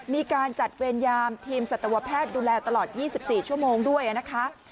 มีการจัดเวรยามทีมสัตวแพทย์ดูแลตลอด๒๔ชั่วโมงด้วยนะคะ